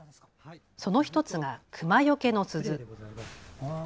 その１つがクマよけの鈴。